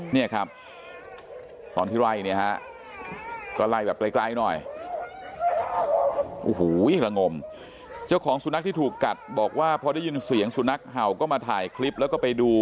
เนี่ยครับตอนที่ไล่เนี่ยฮะก็ไล่แบบไกลหน่อยโอ้โหละงมเจ้าของสุนัขที่ถูกกัดบอกว่าพอได้ยินเสียงสุนัขเห่าก็มาถ่ายคลิปแล้วก็ไปดู